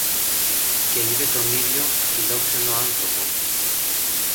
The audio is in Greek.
και είδε τον ίδιο αφιλόξενο άνθρωπο